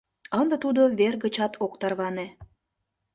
Ынде тудо вер гычат ок тарване.